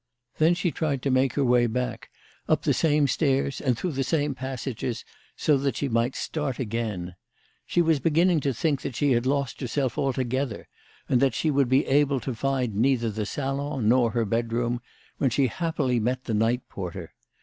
Then she tried to make her way back, up the same stairs and through the same passages, so that she might start again. She was beginning to think that she had lost herself altogether, and that she would be able to find neither the salon nor her bedroom, when she happily met the night porter.